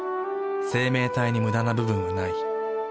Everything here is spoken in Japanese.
生命体にムダな部分はない。